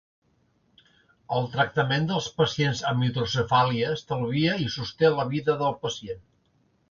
El tractament dels pacients amb hidrocefàlia estalvia i sosté la vida del pacient.